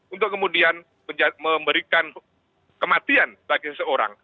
untuk kemudian memberikan kematian bagi seseorang